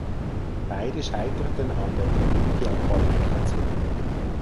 Beide scheiterten an der Olympiaqualifikation.